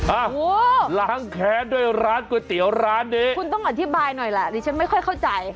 โอ้โหล้างแค้นด้วยร้านก๋วยเตี๋ยวร้านนี้คุณต้องอธิบายหน่อยแหละดิฉันไม่ค่อยเข้าใจ